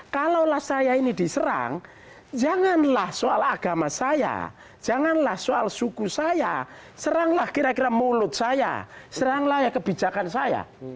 kalaulah saya ini diserang janganlah soal agama saya janganlah soal suku saya seranglah kira kira mulut saya seranglah ya kebijakan saya